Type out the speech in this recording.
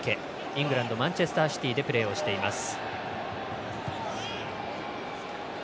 イングランドマンチェスターシティーでプレーをしています。